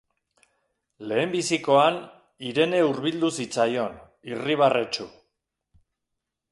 Lehenbizikoan, Irene hurbildu zitzaion, irribarretsu.